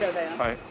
はい。